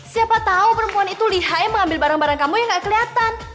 siapa tahu perempuan itu liha emang ambil barang barang kamu yang nggak kelihatan